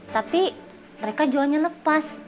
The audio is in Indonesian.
tapi mereka jualnya lepas